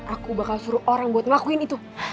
aku bakal suruh orang buat ngelakuin itu